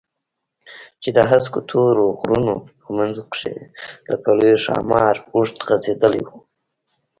چې د هسکو تورو غرونو په منځ کښې لکه لوى ښامار اوږده غځېدلې وه.